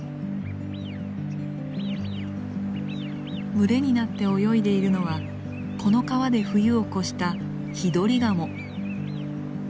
群れになって泳いでいるのはこの川で冬を越したヒドリガモ。